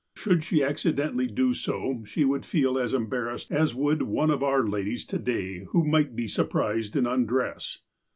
Should she accidentally do so, she would feel as embarrassed as would one of our ladies to day who might be surprised in undress.